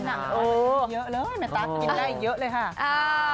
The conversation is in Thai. เยอะเลยแม่ตั๊กกินได้อีกเยอะเลยค่ะ